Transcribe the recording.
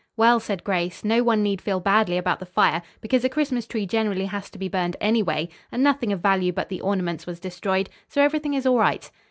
"Well," said Grace, "no one need feel badly about the fire, because a Christmas tree generally has to be burned, anyway, and nothing of value but the ornaments was destroyed. So everything is all right."